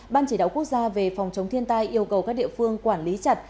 ban chỉ đạo quốc gia về phòng chống thiên tai yêu cầu các địa phương quản lý chặt